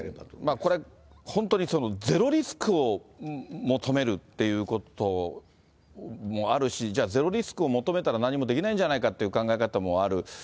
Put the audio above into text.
これ本当に、ゼロリスクを求めるっていうこともあるし、じゃあ、ゼロリスクを求めたら何もできないんじゃないかという考え方もある。